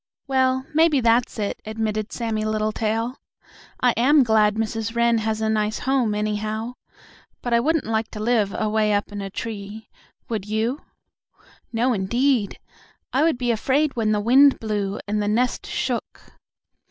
"Well, maybe that's it," admitted Sammie Littletail. "I am glad Mrs. Wren has a nice home, anyhow. But I wouldn't like to live away up in a tree, would you?" "No, indeed. I would be afraid when the wind blew and the nest shook."